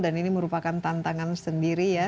dan ini merupakan tantangan sendiri ya